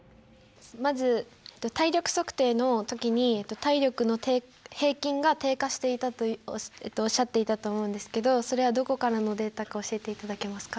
まず体力測定の時に体力の平均が低下していたとおっしゃっていたと思うんですけどそれはどこからのデータか教えていただけますか？